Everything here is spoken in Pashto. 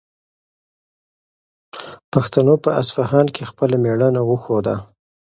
پښتنو په اصفهان کې خپله مېړانه وښوده.